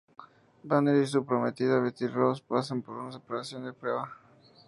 Banner y su prometida Betty Ross pasan por una separación de prueba.